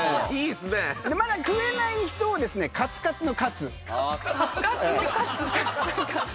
でまだ食えない人をですね「カツカツのカツ」